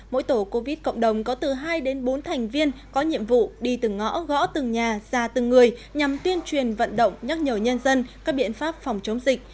mỗi tổ covid cộng đồng có từ hai đến bốn thành viên có nhiệm vụ đi từng ngõ gõ từng nhà ra từng người nhằm tuyên truyền vận động nhắc nhở nhân dân các biện pháp phòng chống dịch